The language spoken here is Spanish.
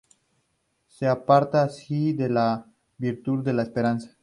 Se aparta, así, de la virtud de la esperanza.